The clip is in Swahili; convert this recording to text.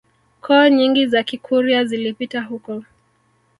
Koo nyingi za Kikurya zilipita huko